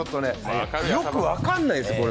よく分かんないです。